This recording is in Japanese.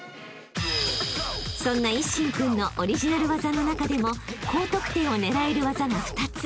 ［そんな一心君のオリジナル技の中でも高得点を狙える技が２つ］